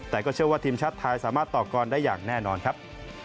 แต่ก็เชื่อว่าทีมชาติไทยสามารถต่อกรได้อย่างแน่นอนครับ